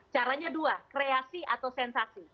caranya dua kreasi atau sensasi